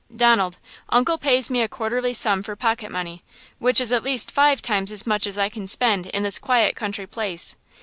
"Donald, Uncle pays me a quarterly sum for pocket money, which is at least five times as much as I can spend in this quiet country place.